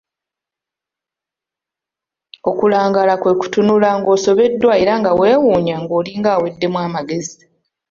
Okulangaala kwe kutunula ng'osobeddwa era nga weewuunya ng'olinga aweddemu amagezi.